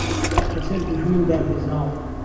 به سهر دوژمن دابی زاڵ